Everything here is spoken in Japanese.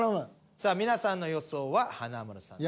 さあ皆さんの予想は華丸さんです。